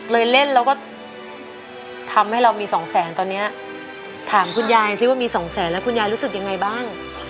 เล่นแล้วก็ทำให้เรามีสองแสนตอนนี้ถามคุณยายสิว่ามีสองแสนแล้วคุณยายรู้สึกยังไงบ้าง